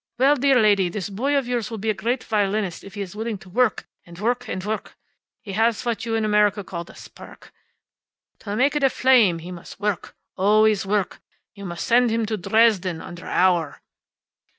Well, dear lady, this boy of yours will be a great violinist if he is willing to work, and work, and work. He has what you in America call the spark. To make it a flame he must work, always work. You must send him to Dresden, under Auer."